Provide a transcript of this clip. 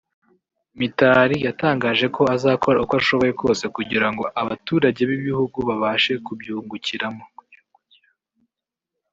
Mitali yatangaje ko azakora uko ashoboye kose kugira ngo abaturage b’ibi bihugu babashe kubyugukiramo